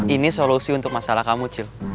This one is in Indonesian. ini solusi untuk masalah kamu cil